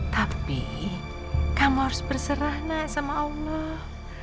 tapi kamu harus berserah nak sama allah